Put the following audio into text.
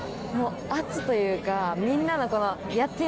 圧というかみんなのこの。